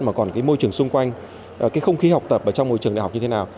mà còn môi trường xung quanh không khí học tập trong môi trường đại học như thế nào